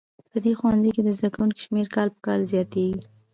په دې ښوونځي کې د زده کوونکو شمېر کال په کال زیاتیږي